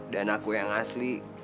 dan aku yang asli